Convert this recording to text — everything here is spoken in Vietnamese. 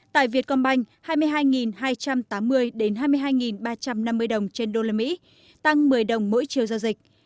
tại vietcombank hai mươi hai hai trăm tám mươi đến hai mươi hai ba trăm năm mươi đồng trên đô la mỹ tăng một mươi đồng mỗi chiều giao dịch